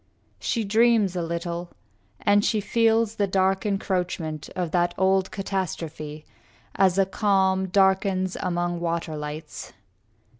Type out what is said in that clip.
She dreams a little, and she feels the dark Encroachment of that old catastrophe, As a calm darkens among water lights.